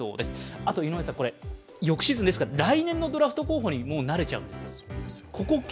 あと、翌シーズン、来年のドラフト候補にもうなれちゃうんですよ。